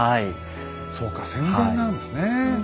そうか戦前なんですね。